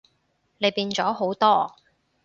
你變咗好多